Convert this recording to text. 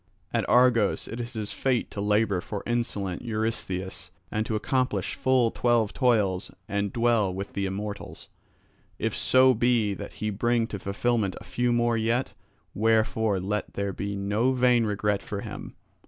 At Argos it is his fate to labour for insolent Eurystheus and to accomplish full twelve toils and dwell with the immortals, if so be that he bring to fulfilment a few more yet; wherefore let there be no vain regret for him.